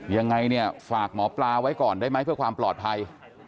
ยังไงเนี่ยฝากหมอปลาไว้ก่อนได้ไหมเพื่อความปลอดภัย